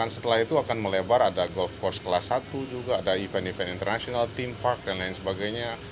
setelah itu akan melebar ada golf course kelas satu juga ada event event internasional theme park dan lain sebagainya